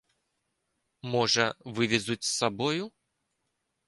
Можа, вывезуць з сабою?